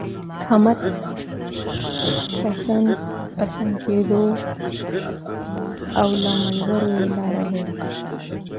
احمد پسن پسن کېدو، او له ملګرو يې لاره بېله کړه.